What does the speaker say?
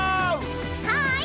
はい！